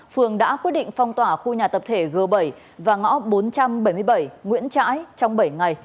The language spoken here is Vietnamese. phường đã quyết định phong tỏa khu nhà tập thể g bảy và ngõ bốn trăm bảy mươi bảy nguyễn trãi trong bảy ngày